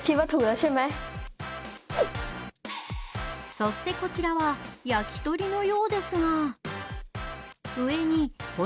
そしてこちらはやきとりのようですが。